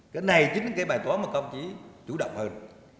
cái này chính là cái bài toán mà công chí chủ động hơn